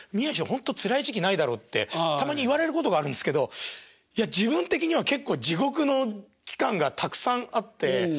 ほんとつらい時期ないだろってたまに言われることがあるんですけどいや自分的には結構地獄の期間がたくさんあって。